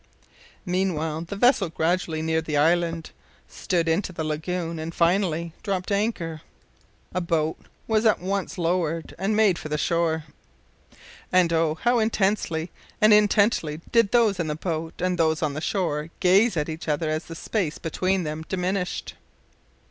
Meanwhile the vessel gradually neared the island, stood into the lagoon, and, finally, dropped anchor. A boat was at once lowered and made for the shore. And oh! how intensely and intently did those in the boat and those on the shore gaze at each other as the space between them diminished!